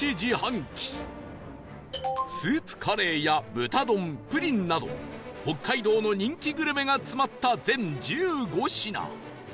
スープカレーや豚丼プリンなど北海道の人気グルメが詰まった全１５品